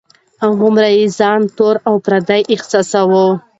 هومره یې ځان تور او پردی احساساوه.